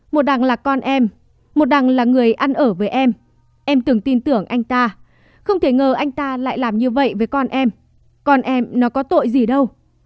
một đằng là con em một đằng là người ăn ở với em em từng tin tưởng anh ta không thể ngờ anh ta lại làm như vậy với con em con em nó có tội gì đâu